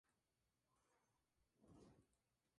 La cripta del santuario fue la primera obra terminada.